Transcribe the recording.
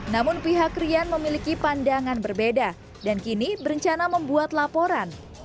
namun pihak rian memiliki pandangan berbeda dan kini berencana membuat laporan